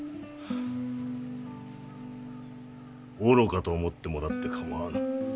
愚かと思ってもらってかまわぬ。